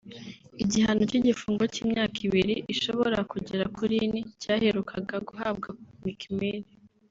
Igihano cy’igifungo cy’imyaka ibiri ishobora kugera kuri ine cyaherukaga guhabwa Meek Mill